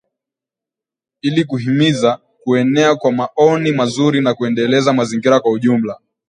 Ili kuhimiza kuenea kwa maoni mazuri na kuendeleza mazingira kwa ujumla.